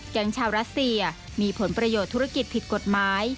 ชาวรัสเซียมีผลประโยชน์ธุรกิจผิดกฎหมาย